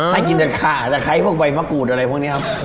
ให้กินแต่ขาแต่ใครให้พวกใบมะกรูดอะไรพวกนี้ครับ